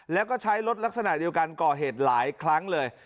แล้วก็ใช้รถลักษณะเดียวกันก่อเหตุหลายครั้งเลย